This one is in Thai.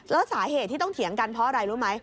แล้วสาเหตุที่ต้องเถียงกันเพราะอะไรรู้ไหม